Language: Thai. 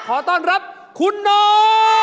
ขอต้อนรับคุณโน